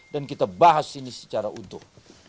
dan kita bahas ini secara utuh